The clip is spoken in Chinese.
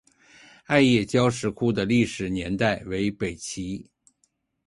艾叶交石窟的历史年代为北齐。